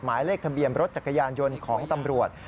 หมายเลขทะเบียนรถจักรยานยนต์ของตำรวจ